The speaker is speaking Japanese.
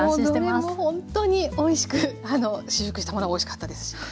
もうどれもほんとにおいしく試食したものはおいしかったですし